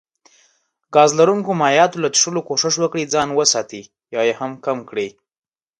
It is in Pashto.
ګاز لرونکو مايعاتو له څښلو کوښښ وکړي ځان وساتي يا يي هم کم کړي